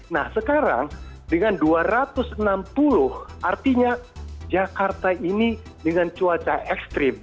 nah sekarang dengan dua ratus enam puluh artinya jakarta ini dengan cuaca ekstrim